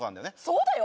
そうだよ